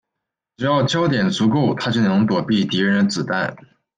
只要焦点足够她就能躲避敌人的子弹。